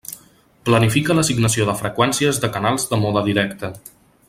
Planifica l'assignació de freqüències de canals de mode directe.